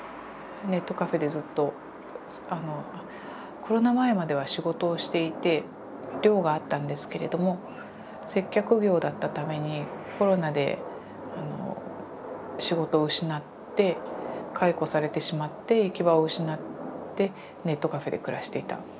コロナ前までは仕事をしていて寮があったんですけれども接客業だったためにコロナで仕事を失って解雇されてしまって行き場を失ってネットカフェで暮らしていた。